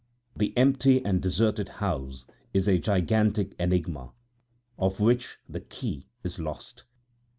The empty and deserted house is a gigantic enigma, of which the key is lost.